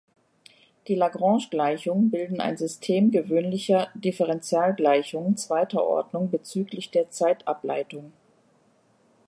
Die Lagrange-Gleichungen bilden ein System gewöhnlicher Differentialgleichungen zweiter Ordnung bezüglich der Zeitableitung.